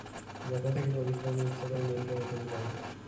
ব্যথা থেকে পরিত্রাণের ইচ্ছা তার মনকে হুকুম করে।